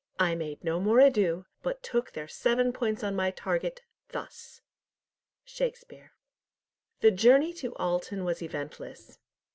I made no more ado, but took their seven points on my target—thus—" Shakespeare. The journey to Alton was eventless.